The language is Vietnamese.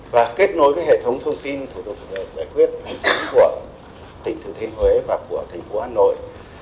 và kết nối với hệ thống thông tin thuộc về giải quyết của tỉnh thừa thiên huế và của thành phố hà nội